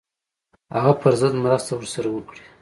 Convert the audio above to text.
هغه پر ضد مرسته ورسره وکړي.